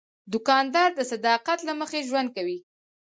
دوکاندار د صداقت له مخې ژوند کوي.